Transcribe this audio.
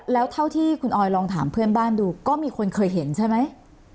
แล้วเท่าที่คุณออยลองถามเพื่อนบ้านดูก็มีคนเคยเห็นใช่ไหม